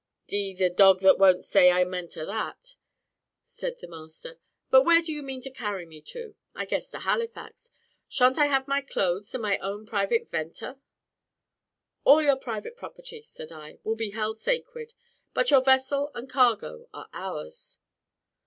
"D n the dog that won't say amen to that," said the master; "but where do you mean to carry me to? I guess to Halifax. Sha'n't I have my clothes, and my own private venter?" "All your private property," said I, "will be held sacred; but your vessel and cargo are ours."